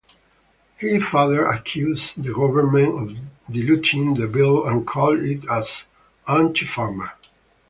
He further accused the government of diluting the bill and called it as "anti-farmer".